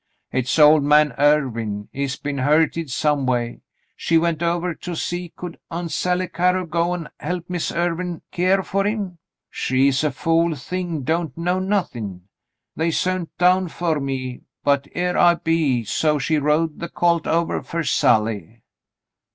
Hit's old man Irwin. He's been hurted some way. She went ovah to see could Aunt Sally Carew go an' help Miz Irwin keer fer him — she's a fool thing, don't know nothin'. They sont down fer me — but here I be, so she rode the colt ovah fer Sally.'